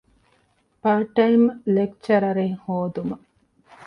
ޕާޓް ޓައިމް ލެކްޗަރަރެއް ހޯދުމަށް